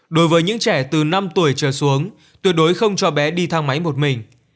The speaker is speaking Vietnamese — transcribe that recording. đối với những trẻ từ năm tuổi trở xuống tuyệt đối không cho bé đi thang máy một mình